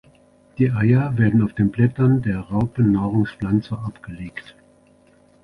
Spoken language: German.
Die Eier werden auf den Blättern der Raupennahrungspflanze abgelegt.